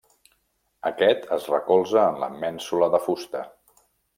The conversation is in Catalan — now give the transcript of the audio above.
Aquest es recolza en la mènsula de fusta.